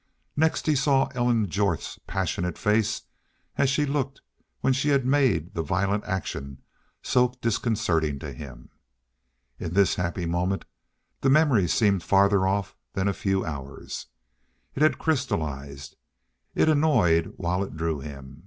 Next he saw Ellen Jorth's passionate face as she looked when she had made the violent action so disconcerting to him. In this happy moment the memory seemed farther off than a few hours. It had crystallized. It annoyed while it drew him.